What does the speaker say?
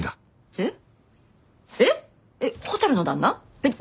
えっ！？